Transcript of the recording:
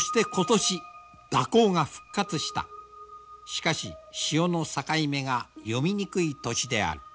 しかし潮の境目が読みにくい年である。